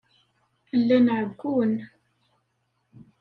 Llan ɛeyyun.